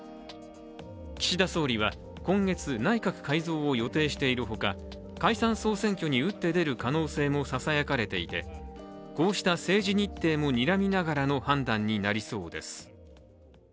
岸田総理は今月、内閣改造を予定しているほか、解散総選挙に打って出る可能性もささやかれていてこうした政治日程もにらみながらの判断になりそうです。